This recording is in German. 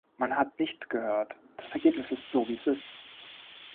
Man hat nicht gehört, das Ergebnis ist so, wie es ist.